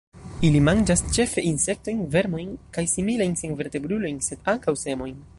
Ili manĝas ĉefe insektojn, vermojn kaj similajn senvertebrulojn, sed ankaŭ semojn.